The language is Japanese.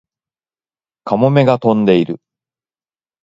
カモメが飛んでいる